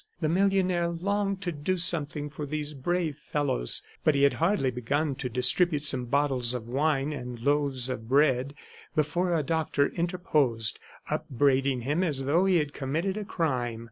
The millionaire longed to do something for these brave fellows, but he had hardly begun to distribute some bottles of wine and loaves of bread before a doctor interposed, upbraiding him as though he had committed a crime.